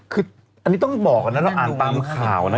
คืออันนี้ต้องบอกก่อนนะเราอ่านตามข่าวนะ